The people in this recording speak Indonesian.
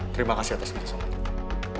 terima kasih atas kesempatan